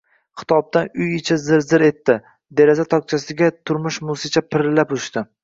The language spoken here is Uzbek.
Xitobdan uy ichi zir-zir etdi. Deraza tokchasida turmish musicha pirillab uchdi.